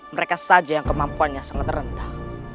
mereka saja yang kemampuannya sangat rendah